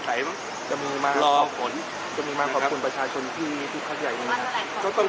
ก็จะมีมากรอผลมีมากขอบคุณประชาชนที่ที่ข้างใหญ่